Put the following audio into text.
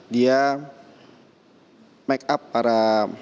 dia make up para